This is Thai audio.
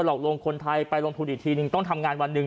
หลอกลวงคนไทยไปลงทุนอีกทีนึงต้องทำงานวันหนึ่ง